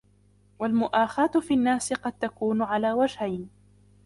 وَالْمُؤَاخَاةُ فِي النَّاسِ قَدْ تَكُونُ عَلَى وَجْهَيْنِ